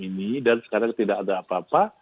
ini dan sekarang tidak ada apa apa